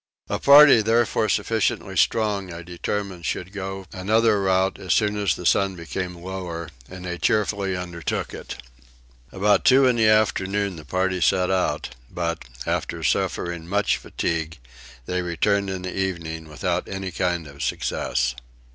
A party therefore sufficiently strong I determined should go another route as soon as the sun became lower, and they cheerfully undertook it. About two o'clock in the afternoon the party set out but, after suffering much fatigue, they returned in the evening without any kind of success.